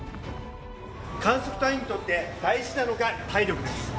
観測隊員にとって大事なのが体力です。